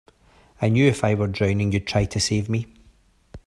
I knew if I were drowning you'd try to save me.